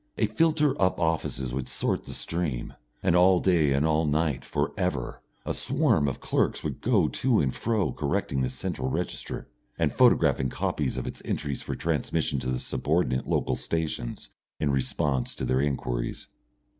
A filter of offices would sort the stream, and all day and all night for ever a swarm of clerks would go to and fro correcting this central register, and photographing copies of its entries for transmission to the subordinate local stations, in response to their inquiries.